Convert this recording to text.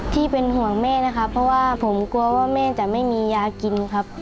ที่เป็นห่วงแม่นะครับเพราะว่าผมกลัวว่าแม่จะไม่มียากินครับ